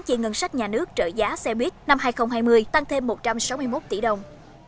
chi ngân sách nhà nước trợ giá xe buýt năm hai nghìn hai mươi tăng thêm một trăm sáu mươi một tỷ đồng